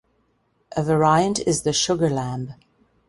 A variant is the sugar lamb.